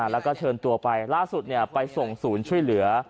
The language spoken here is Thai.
แล้วก็เชิญตัวไปล่าสุดไปส่งศูนย์ช่วยเหลือ